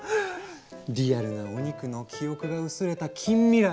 リアルなお肉の記憶が薄れた近未来